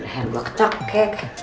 leher gue kecak kek